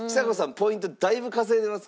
ポイントだいぶ稼いでますから。